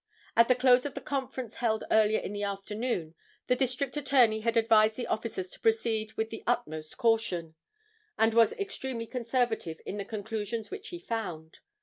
At the close of the conference held earlier in the afternoon, the District Attorney had advised the officers to proceed with the utmost caution, and was extremely conservative in the conclusions which he found.